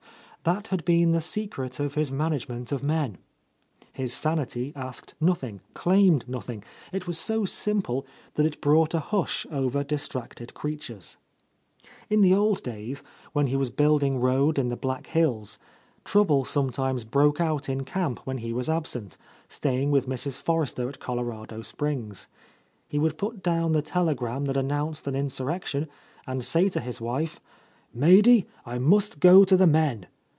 That had been the. secret of his management of men. His sanity asked nothing, claimed nothing ; it was so simple that it brought a hush over distracted creatures. , In the old, days, when he was building road in the Black Hills^ trouble sometimes broke out in camp when he was absent, staying with Mrs. Forrester at Colorado Springs. He would put down the tele gram that announced an insurrection and say to his wife, "Maidy, I must go to the men."